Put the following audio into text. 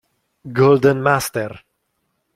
Golden Master